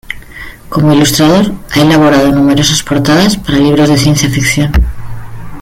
Como ilustrador ha elaborado numerosas portadas para libros de ciencia ficción.